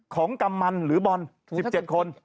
กำมันหรือบอล๑๗คน